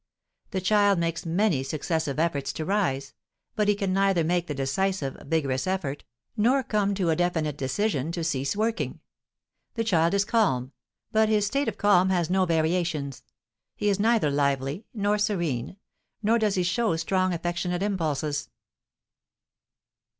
The child makes many successive efforts to rise; but he can neither make the decisive, vigorous effort, nor come to a definite decision to cease working. The child is calm, but his state of calm has no variations; he is neither lively, nor serene, nor does he show strong affectionate impulses.